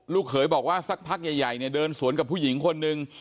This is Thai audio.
เขยบอกว่าสักพักใหญ่เนี่ยเดินสวนกับผู้หญิงคนนึง